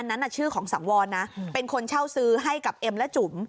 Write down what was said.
นั้นชื่อของสังวรนะเป็นคนเช่าซื้อให้กับเอ็มและจุ๋ม